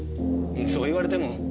そう言われても。